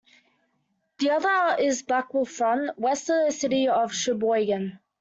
The other is Blackwolf Run, west of the city of Sheboygan.